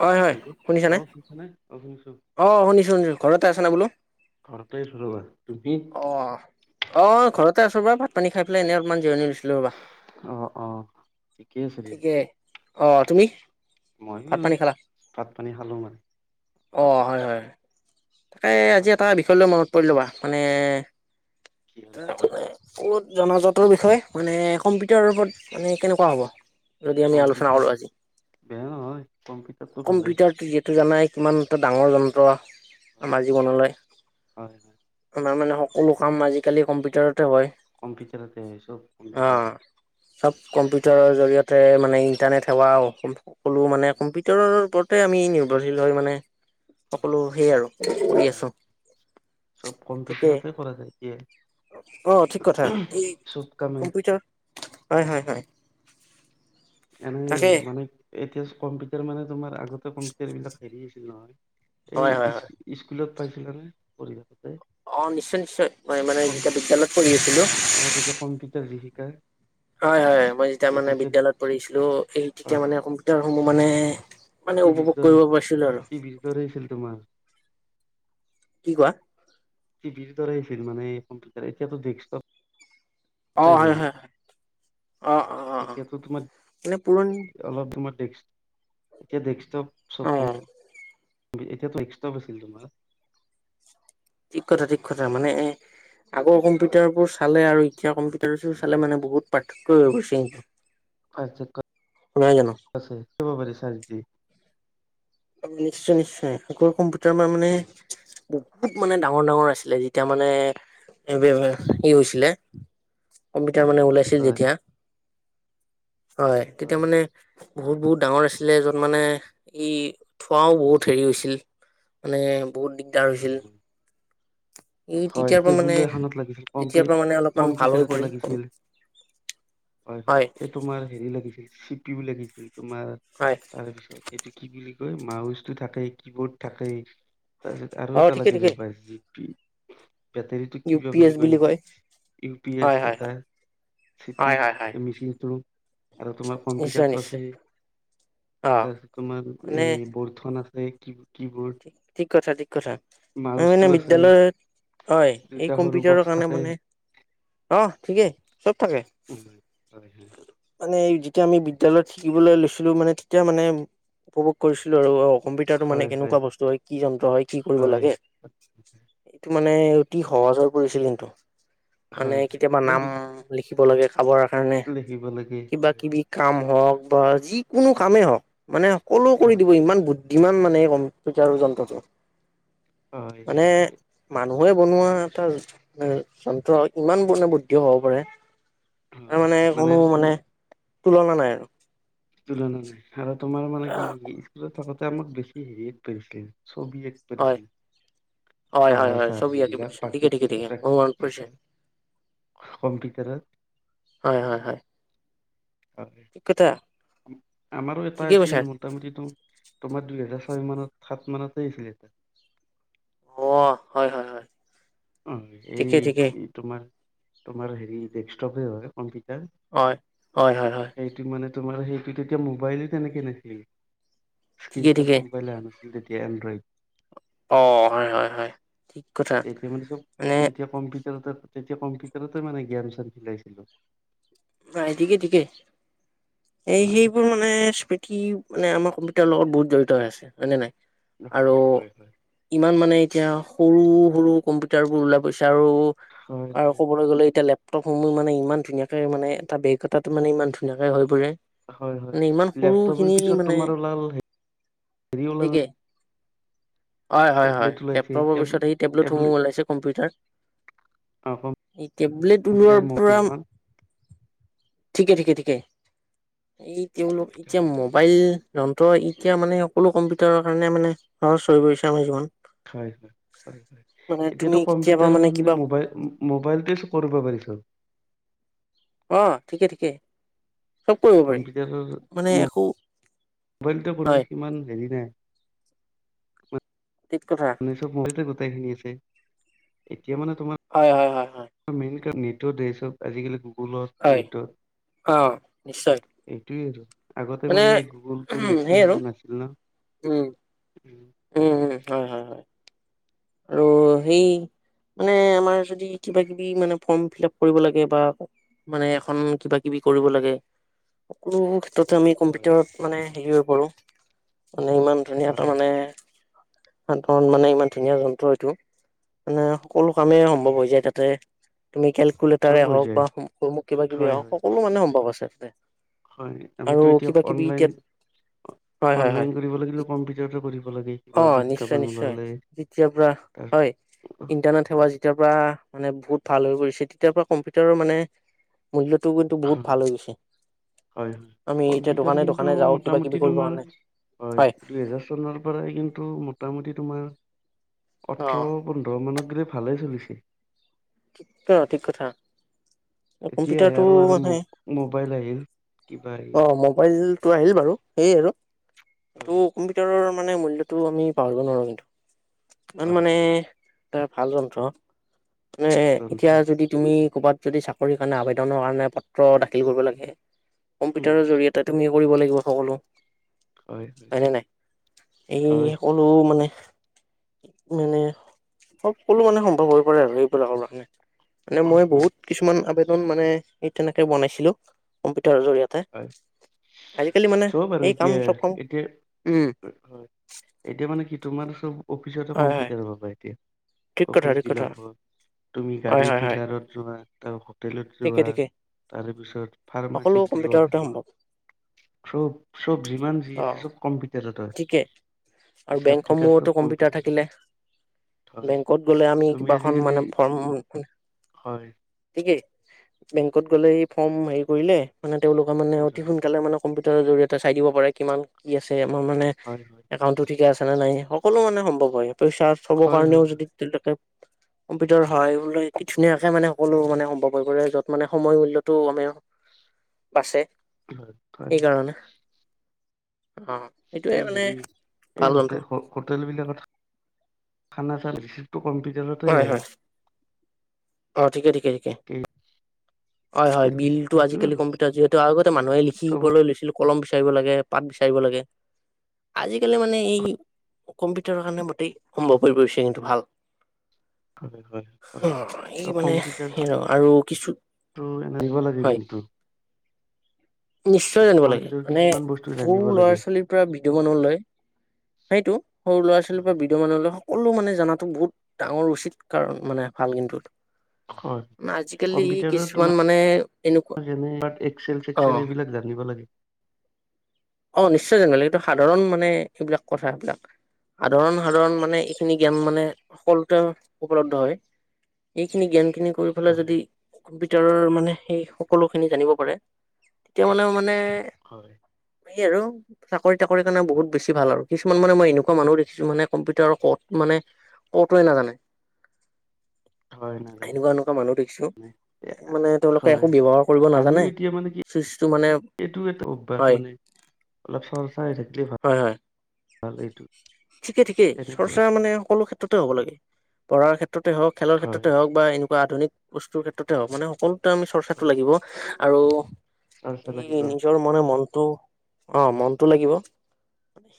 হয় হয় হেল্ল, 'অ শুনিছানে শুনিছ নাই অ শুনিছো। অ, ' শুনিছো শুনিছো ঘৰতে আছ না বোলো ঘৰতে আছো ৰবা তুমি অ, ' আহ। ঘৰতে আছোঁ বা ভাত পানী খাই পেলাই এনেই অলপমান জিৰণি লৈছোঁ। অ, 'অ ঠিকেই আছে দে অঁ, ' তুমি ভাত মইো পানী খালা ভাত পানী খালো মানে অ, 'হয় হয় তাকে আজি বাকী এটা বিষয় লৈ মনত পৰি লোৱা মানে কি আৰু কিবা তাৰমানে কত, কি জনজাতৰ বিষয়ে মানে কম্পিউটাৰৰ ওপৰত মানে কেনেকুৱা হ'ব যদি, আমি আলোচনা কম্পিউটাৰ কৰো আজি বেয়া নহয় কম্পিউটাৰটো ভালেই কম্পিউটাৰটো যিহেতু জানাই কিমান এটা ডাঙৰ যন্ত্ৰ। কোৱা। হয় আমাৰ হয় জীৱনলৈ হয় হয় আমাৰ মানে সকলো কাম আজিকালি কম্পিউটাৰত অ, কম্পিউটাৰতে হয় চব কম্পিউটাৰ 'চব কম্পিউটাৰৰ জৰিয়তে তোহ মানে ইণ্টাৰনেট সেৱা সকলো মানে কম্পিউটাৰৰ ওপৰতে আমি নিৰ্ভৰশীল হয় মানে সকলো হয় সেইয় আৰু কৰি হয় আছো চব কম্পিউটাৰতে কৰা যায় এতিয়া অ ঠিক কথা চব কামে কম্পিউটাৰ হয় হয় এনে তাকে মানে এতিয়া কম্পিউটাৰ মানে তোমাৰ আগতে কম্পিউটাৰ বিলাক হেৰি আছিল নহয়। এই হয় হয় ইচ হয় স্কুলত পাইছিলা নে কৰি [unintelligible] অ', নিশ্চয়, নিশ্চয় মই মানে যেতিয়া বিদ্যালয়ত পঢ়ি আছিলোঁ। অ তেতিয়া [unintelligible] হয়, হয়, মই যেতিয়া মানে তেতিয়া বিদ্যালয়ত পঢ়িছি লোঁ এই তেতিয়া হয় মানে কম্পিউটাৰ সমূহ মানে, মানে টিভিৰ উপভোগ দৰে কৰিব পাৰিছিলোঁ আৰু। টিভিৰ দৰে আছিল তোমাৰ কি কোৱা? টিভিৰ দৰে আছিল মানে কম্পিউটাৰ! এতিয়াতো ডেক্স অ', হয়, হয়, হয়। অ অ অ অ এতিয়াতো তোমাক, মানে পুৰণি অলপ তোমাক ডেক্স, এতিয়া ডেক্সটপ চব অ ক এতিয়াটো ডেস্কটপ আছিল তোমাৰ। ঠিক কথা, ঠিক কথা, মানে আগৰ কম্পিউটাৰবোৰ চালে আৰু এতিয়াৰ কম্পিউটাৰ [unintelligible] চালে মানে বহুত পাৰ্থক্যই হৈ গৈছে। পাৰ্থক্য নহয় জানো? আছে [unintelligible] চাই-চিতি। নিশ্চয়, নিশ্চয়, আগৰ কম্পিউটাৰ [unintelligible] মানে বহুত মানে ডাঙৰ-ডাঙৰ আছিলে! যেতিয়া মানে হেৰি হৈছিলে কম্পি তাৰমানে ওলাইছিল হয় যেতিয়া। হয় তেতিয়া মানে বহুত, বহুত ডাঙৰ আছিলে য'ত মানে এই থোৱাও বহুত হেৰি হৈছিল, মানে বহুত দিগদাৰ হয় হৈছিল। হয় ই হয় তেতিয়াৰ পৰা টেবুল মানে এখনত লাগিছিল কম্পি এতিয়াৰ পৰা মানে অলপমান ভাল কম্পিউটাৰ হৈ এটা পৰিল লাগিছিল হয়, হয় এই তোমাৰ হেৰি লাগছিল। টিউ লাগিছিল। তোমাৰ হয় তাৰে পিছত সেইটো কি বুলি মাউচটো থাকে, কিব'ৰ্ড থাকে। তাৰপিছত আৰু অ এটা ঠিকে লাগিব ঠিকে পাইছ যি [inaudible] বেটেৰীটো ইউ কিবা পি এছ বুলি কয় নেকি, ইউ পি এচ হয় হয় এটা হয় চি পি হয় উ, হয় হয় মেচিনটো আৰু তোমাৰ নিশ্চয় কম্পিউটাৰটো নিশ্চয় আছেই অ তাৰপিছত তোমাৰ মানে এই বৰ্ডখন আছ নে কিব ঠিক কথা, ঠিক কথা, মই মাউচটো মানে আছে বিদ্যালয় হয়, এই দুটা সৰু কম্পিউটাৰৰ বক্স কাৰণে থাকে। মানে অ', ঠিকেই চব থাকে। [unintelligible] মানে যেতিয়া আমি বিদ্যালয়ত শিকিবলৈ লৈছিলো মানে তেতিয়া মানে উপভোগ কৰিছিলো আৰু অ'। কমিটাৰটো মানে কেনে কেনেকুৱা বস্তু হয় কি যন্ত্ৰ হয় কি কৰিব হয় লাগে। মানে অতি সহজ হৈ পৰিছিল কিন্তু। মানে হয় কেতিয়াবা এই নাম বি- লিখিব লাগে। খাবৰ কাৰণে লিখিব লাগে কিবা হয় কিবি কাম হওঁক বা যিকোনো কামেই হওঁক মানে ক'লেই কৰি হয় দিব ইমান বু- যিমান মানে কাম তেতিয়া আৰু যন্ত্ৰটো হয় মানে মান মানুহে বনোৱা এটা যন্ত্ৰ ইমান মানে বুদ্ধি হব পাৰে। হয় মানে কোনো আৰু মানে তোমাৰ তুলনা নাই আৰু। তুলনা নাই। আৰু তোমাৰ মানে কি স্কুলত থাকোতে আমাক বেছি হেৰিত পৰিছিল ছবি আকিব হয়, দিছিল। হয়, হয়, হয় ছবি আঁকিব দিছিল ঠিকে, ঠিকে, ঠিকে অ' প্ৰাকৃতিক মনত দৃশ্য পৰিছে কম্পিউটাৰত হয় হয় হয়। হয়। ঠিক কথা। আমাৰো এটা ঠিকে কৈছা আছিল মোটামুটিতো তোমাৰ দুই হেজাৰ ছয় মানত, সাত মানতে হৈছিল। অ' হয় হয় হয়। অ' ঠিকে, ঠিকে এই তোমাৰ তোমাৰ হেৰি ডেস্কটপে হয় কম্পি হয়, হয়, হয়, হয়। মানে তোমাৰ সেইটো তেতিয়া মোবাইলো তেনেকে নাছিল। ঠিকে, স্কিনটাচ মবাইলে অহা নাছিল তেতিয়া। এন্ড্ৰইদ অ'হয় হয় হয় ঠিক কথা। তেতিয়া মানে চব তেতিয়া কম্পিউ তেতিয়া কম্পিউটাৰতে মানে জ্ঞান চান উলাইছিলে। ভাই ঠিকে ঠিকে এই হয় সেইবোৰ মানে কি মানে আমাৰ কম্পিউটাৰৰ লগত বহুত জড়িত হৈ আছে হয় নে নাই আৰু হয় হয় ইমান মানে এতিয়া সৰু সৰু কম্পিউটাৰ বোৰ ওলাই গৈছে এতিয়া আৰু হয় আৰু হয় ক'বলৈ গ'লে এতিয়া লেপ টপসমোহ মানে ইমান ধুনীয়াকে মানে তাৰ বেগ কতাত মানে ইমান ধুনীয়াকে হৈ পৰে হয় হয় মানে ইমান সৰু লেপটপৰ খিনি পিছত মানে তোমাৰ ওলাল হেৰি ওল গতিকে হয় হয় হয় লেপটপৰ পিছত সেই টেবলেটসমূহ টেবলেট ওলাইছে কম্পিউটাৰ। অ এই টেবলেট কম্পিউটাৰ ওলোৱাৰ পৰা মকিনখন ঠিকে ঠিকে ঠিকে এই তেওঁলোক এতিয়া হয় মোবাইল যন্ত্ৰ এতিয়া মানে সকলো কম্পিউটাৰৰ কাৰণে মানে সহচ হৈ পৰিছে আমাৰ জীৱন হয় মানে তুমি এতিয়াতো কেতিয়াবা কম্পিউাৰ মানে সলনি কিবা মাইল মবাইলতে কৰিব পাৰি সোণ অ ঠিকে ঠিকে চব কৰিব পাৰি মানে একো মোবাইলটো কৰলি হয় ইমান হেৰি নাই ঠিক কথা ঊনৈচ মন্দি গোটেই খিনি আছে এতিয়া মানে তোমাৰ হয় হয় হয় হয় নিতৰ দেশট আজিকালি গুগলত হয় নেটত অ নিশ্চয় তীৰ আগতে মানে গুগলটোৰ নেটটো সেই আৰু সিমান নাছিল ন উম উম উম হয় হয় হয় আৰু সেই মানে আমাৰ যদি কিবা কিবি মানে ফৰ্ম ফিল আপ কৰিব লাগে বা মানে এখন কিবা কিবি কৰিব লাগে সকলো ত'ত আমি হয় কম্পিউটাৰত মানে শিকিব পৰোঁ মানে ইমান ধুনীয়া এটা হয় মানে অ ন মনে ইমান ধ ধুনীয়া যন্ত্ৰ এইটো মানে সকলো কামেই সম্ভৱ হয় হৈ যায় তাতে তুমি চব কেলকুলেটাৰে হৈ হওক যায় বা মোক কিবা কিবি হয় হওক হয় সকলো মানে সম্ভৱ আছে [unintelligible] হয় আৰু আমিতো এতিয়া কিবা কিবি অনলাইন এতিয়া হয় হয় অনলাইন কৰিব হয় লাগিলে কম্পিটাৰতে কৰিব লাগে কিবা বিজ্ঞাপন পালে যেতিয়া পৰা হয় ইন্টাৰনেট সেৱা হয় যেতিয়া পৰা মানে বহুত ভাল হৈ পৰিছে তেতিয়াৰ পৰা কম্পিউটাৰৰ মানে। মূল্যটো কিন্তু বহুত হয় ভাল হৈ গৈছে হয় হয় আমি এতিয়া কম্পিউটাৰ দোকানে দোকানে কিন্তু যাওঁ কিবা কিবি মোটামুটি কৰিব তোমাৰ কাৰণে হয় দুহেজাৰ চনৰ পৰাই কিন্তু মোটামুটি তোমাৰ। অ ওঠৰ পোন্ধৰ মানক লগি। ভালেই চলিছে। ঠিক কথা ঠিক কথা। এতিয়াহে কম্পিউটাৰটো আৰু আৰু মানে মোবাইল আহিল কিবা আহিল। টো আহিল বাৰু সেইয় আৰু। এইটো হয় কম্পিউটাৰৰ। মানে মূল্যয়তটো আমি পাহৰিব‌ নোৱাৰো কিন্তু। নন হয় মানে। হয় এটা ভাল যন্ত্ৰ। মানে ভাল যন্ত্ৰ এতিয়া যদি তুমি। ক'ৰবাত যদি চাকৰিৰ কাৰণে আবেদনৰ কাৰণে পত্ৰ দাখিল কৰিব লাগে উম কম্পিউটাৰৰ জৰিয়তে তুমি কৰিব লাগিব সকলো। হয় নে নাই এই হয় সকলো মানে মানে সব কলো মানে সম্ভৱ হৈ পৰে আৰু পাৰাও মানে। মানে মই হয় বহুত কিছুমান আবেদ মানে তেনেকে বনাইছিলো জৰিয়তে হয় আজিকালি মানে চব আৰু সেই কাম এতিয়া চব কাম এতিয়া উম হয় এতিয়া মানে কি তোমাৰ চব অফিচতে হয় হয় কম্পিউটাৰ পাবা এতিয়া ঠিক কথা অফিচ ঠিক কথা বিলাকত তুমি হয় গাড়ী হয় হয় ডিলাৰত যোৱা তাৰ হোটেলত ঠিকে যোৱা ঠিকে তাৰপিছত সকলো ফাৰ্মাচিত। কম্পিউটাৰতে সম্ভৱ চব চব যিমান যি অ আছে চব কম্পিটাৰত হয় ঠিকে আৰু হিচানিকাচ চব বেংকসমূহতো কম। কম্পিউটাৰ থাকিলে বেংকত গ'লে আমি তুমি কিবাখন আজিকালি মানে ফৰ্ম হয় ঠিকেই বেংকত গলে ফৰ্ম হেৰি কৰিলে মানে তেওঁলোকৰ মানে অতি হয় সোনকালে মানে কম্পিউটাৰৰ জৰিয়তে চাই দিব পাৰে কিমান কি আছে। মোৰ মানে হয় হয় একাউণ্টটো ঠিকে আছে নাই সকলো মানে সম্ভৱ হয়। পইচা থবৰ হয় হয় কাৰণেও যদি হয় তেওঁলোকে কম্পিউটাৰ সহায় ধুনীয়াকে মানে সকলো মানে সম্ভৱ হৈ পৰে য'ত মানে সময় মূল্যটো মানে বাচে। হয়! অহ! কি হেৰি এই হোটেল হোটেল বিলাকত খানা চালি টো কম্পিউটাৰতে হয় [inaudible] হয় অ ঠিকে ঠিকে ঠিকে এই হয় হয় হোটেল বিলাকত বিলতটো সেইটোয়ে আজিকালি আৰু কম্পিউটাৰ যিহেতু আগতে মানুহে চবত লিখিবলৈ লৈছিলো কলম বিচাৰিব লাগে পাট বিচাৰিব লাগে আজিকালি মানে এই কম্পিউটাৰৰ কাৰণে মোটেই সম্ভৱ হৈ বিছে কিন্তু ভাল [inaudible] হয় হয় হয় অ', এই আৰু মানে কম্পিউটাৰটো আৰু কিছু কিন্তু এনে জানিব লাগে হয় কিন্তু নিশ্চয় মানে জানিব লাগে কম্পিউটাৰ মানে কিছুমান বস্তু সৰু জানিব ল'ৰা লাগে ছোৱালীৰ পৰা বিদ মানুহ লয় সেইটো সৰু ল'ৰা ছোৱালীৰ পৰা বিদ মানুহ লয় সকলো মানে জাতো বহুত ডাঙৰ উচিত কাৰণ মানে ভাল কিন্তু হয় আজিকালি কম্পিউটাৰত কিছুমান মানে এনেকুৱা তোমাৰ যেনে এক অ চেল এইবিলাক জানিব লাগে, অ নিশ্চয় জান লে এইটো সাধাৰণ মানে এইবিলাক কথা এইবিলাক সাধাৰণ সাধাৰণ মানে এইখিনি জেঞান মানে সকলোতে উপলব্ধ হয় এইখিনি জোন খিনি, ক ফালে যদি, হয় ভ মানে সেই সকলো খিনি জানিব পাৰে তেতিয়া মানে মানে হয়। স আৰু চাকৰি তাকৰি কাৰণে বহুত বেছি ভাল আৰু কিছুমান মানে মই এনেকুৱা মানুহ দেখিছো মানে কম্পিউটাৰ কত মানে কতোৱে নাজানে, হয় নাজানে এনেকুৱা এনেকুৱা মানুহ দেখিছো এ, মানে তেওঁলোকে হয় একো ব্যৱহাৰ কৰিব আমিও নাজানে এতিয়া মানে কি চুইচটো মানে এইটো এটা অভ্যাস হয়। মানে অলপ চলপ চাই থাকলি ভাল এইটো, ঠিকেই ঠিকেই তেনেকুৱা চৰ্চা মানে সকলো ক্ষেত্ৰতে হ'ব লাগে পঢ়াৰ ক্ষেত্ৰতে হওক খেলৰ ক্ষেত্ৰতে হয় হওক বা এনেকুৱা, বা অধিক বস্তুৰ ক্ষেত্ৰতে হওক মানে সকল, আমি চৰ্চাটো হয় লাগিব। আৰু চৰ্চা এই লাগিব নিজৰ মনে মন, অ মনতটো লাগিব।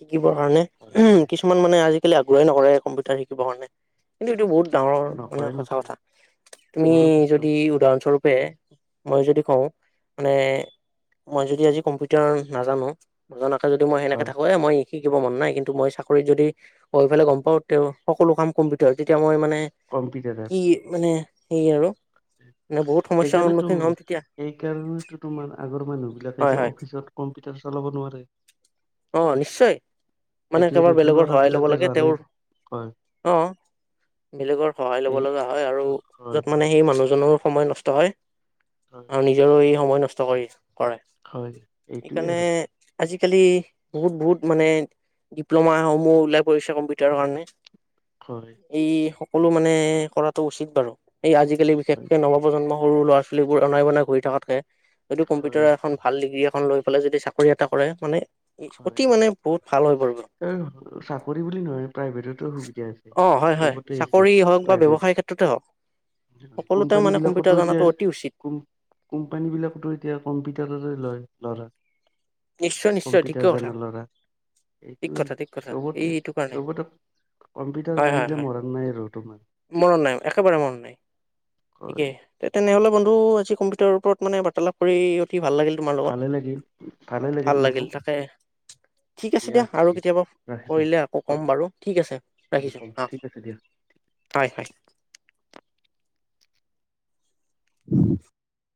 শিকিবৰ কাৰণে হয় হয় উম! মানে আজালি আগ্ৰহ নৰে কম্পিউটাৰ শিকিব কাৰণে কিন্তু এইটো বহুত, ডাঙৰ মানে নকৰে সঁচা নকৰে কথা তুমি আমাৰো বস্তু যদি উদাহৰণস্বৰূপে, মই যদি কওঁ মানে মই যদি হয় আজি কম্পিউটাৰ নাজানো নজাক, যদি মই সনেকে হয়, থাকো মই শিকিব মন নাই কিন্তুই কৰি যদি গৈ পেলাই গম পাও তেওঁ সকলো কাম কম্পিউট হয় তেতিয়া মই মানে এ কি মানে সেয়ে আৰু মানে বহুত সমস্যাৰ এইকাৰণেতো, সন্মুখীন হ'ম তেতিয়া এইকাৰণেটো তোমাৰ আগৰ মানুহ বিলাকে হয় এতিয়া হয় অফিচত কম্পিউটাৰ চলাব নোৱাৰে। অ, নিশ্চয়! মানে এতিয়া কাবাৰ নতুন বেলেগৰ ল'ৰা সহায় ল'ব বিলাকে লাগে যোৱা নাই তেওঁৰ, হয় অ', বেলেগৰ সহায় ল'ব এই লগা হয় আৰু হয় য'ত মানে হয় সেই মানুহজনৰ সময় নষ্ট হয় হয় আৰু নিজৰো এই সময় নচ ট কৰি আছ কৰে। হয়, এইটোৱে সেইকাৰণে আৰু আজি কালি বহুত বহুত মানে ডিপ্ল'মা সমূহ ওলাই পৰিছে কম্পিউটাৰৰ কাৰণে। হয়, এই সক কলো মানে, কৰাটো উচিত বাৰু। এই আজিকালি, হয়, বিশেষকৈ নৱপজন্ম সৰু ল'ৰা ছোৱীবোৰ অনাই বনাই ঘূৰি থকাতকৈ যদি কম্পিউটাৰ হয়, এখন ভাল ডিগ্ৰী খন লৈ পেলাই যদি চাকৰি এটা কৰে, মানে হয়, অতি হয়। মানে বহুত ভাল হৈ পৰিব এই চাকৰি বুলি নহয়, প্ৰাইভেটটো সুবিধা আছে। অ হয় হয় চবতে আছে। চাকৰি হওক বা প্ৰাইভেট ব্যৱসায় ক্ষেত্ৰতে হওক সকলোতে কোম্পানী মানে বিলাকতো কম্পিউটাৰ জনাটো এতিয়া, অতি উচিত কোম কোম্পানী বিলাকতো এতিয়া কম্পিউটাৰতে লয়। [inaudible] নিশ্চয়, নিশ্চয়, ঠিক কথা যেনে ল'ৰা, এইটোৱেই, কথা ঠিক কথা এই চবতে এইটো কাৰণে চবতে, কম্পিউটাৰ হয় হয় জানিলে হয় মৰণ নাই আৰু তোমাৰ। হয়। ঠিকেই, তে তেনেহ'লে বন্ধ ও আজি কম্পিউটাৰৰ ওপৰত মানে বাৰ্তালাপ কৰি তি ভাল লাগিল তোমাৰ লগত, ভালে লাগিল ভালে ভাল মোৰো লাগিল, তাকে, ঠিক আছে দিয়া আৰু কেতিয়াবা ৰাখিছো কৰিলে আকৌ ক'ম কল- বাৰু ঠিক আছে, ৰাখিছোঁ, কল- অ', ঠিক আছে দিয়া। হয় হয়। [inaudible]